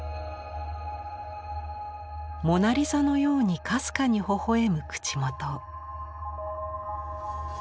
モナリザのようにかすかにほほ笑む口元。